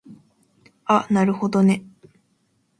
あなるほどね